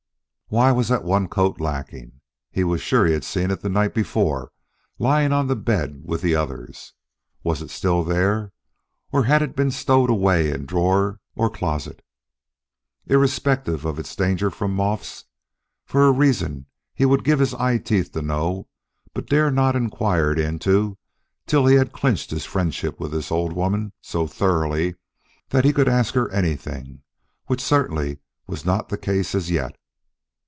Why was that one coat lacking? He was sure he had seen it the night before lying on the bed with the others. Was it still there, or had it been stowed away in drawer or closet, irrespective of its danger from moths, for a reason he would give his eyeteeth to know but dared not inquire into till he had clinched his friendship with this old woman so thoroughly that he could ask her anything which certainly was not the case as yet.